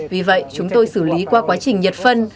vì vậy chúng tôi xử lý qua quá trình nhiệt phân